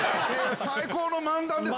最高の漫談ですわ。